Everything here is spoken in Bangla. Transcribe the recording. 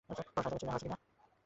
কোন শয়তানের চিহ্ন আঁকা আছে কি না!